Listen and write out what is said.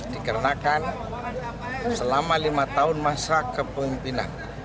dikarenakan selama lima tahun masa kepemimpinan bupati jemberan